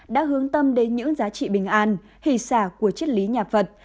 đã hướng tâm đến những giá trị bình an hỷ xả của triết lý nhà phật